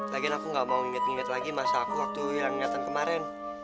lagian aku gak mau inget inget lagi masa aku waktu hilang ingatan kemarin